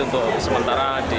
untuk menjaga kemampuan haji ini